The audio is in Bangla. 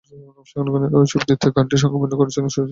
ওই ছবিতে গানটির সঙ্গে অভিনয় করেছিলেন সুচিত্রা সেন।